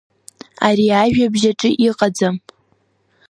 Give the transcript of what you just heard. Ари ажәабжь аҿы иҟаӡам.